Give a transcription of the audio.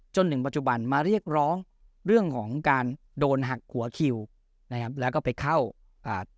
จนถึงปัจจุบันมาเรียกร้องเรื่องของการโดนหักหัวคิวนะครับแล้วก็ไปเข้าอ่า